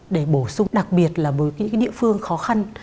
để bổ sung đặc biệt là với những địa phương khó khăn